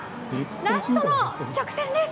ラストの直線です！